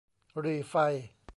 หรี่ไฟ